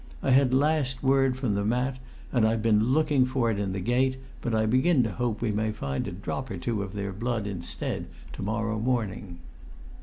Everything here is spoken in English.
I had last word from the mat, and I've been looking for it in the gate, but I begin to hope we may find a drop or two of their blood instead to morrow morning."